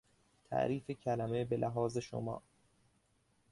تعریف کلمه به لحاظ شما